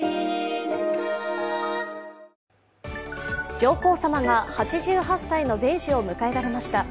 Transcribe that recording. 上皇さまが８８歳の米寿を迎えられました。